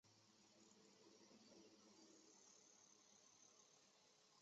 阿尔茨河畔布格基兴是德国巴伐利亚州的一个市镇。